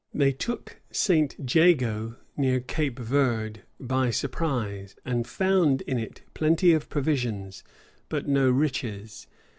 {1586.} They took St. Jago, near Cape Verde, by surprise; and found in it plenty of provisions, but no riches.